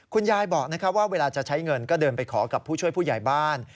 คุณยายบอกว่าเวลาจะใช้เงินก็เดินไปขอกับผู้ช่วยผู้ใหญ่บ้าน